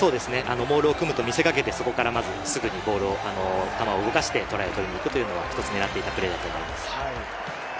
モールを組めと見せかけて、そこからボールをすぐに球を動かしてトライを取りに行くというのは一つ狙っていたプレーだと思います。